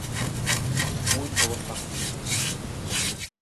— Үҙ буласаҡһың.